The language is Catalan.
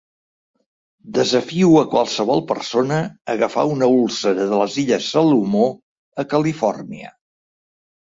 Desafio a qualsevol persona a agafar una úlcera de les illes Salomó a Califòrnia.